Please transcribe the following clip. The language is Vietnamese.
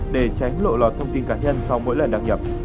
để tránh lộ lọt thông tin cá nhân sau mỗi lần đăng nhập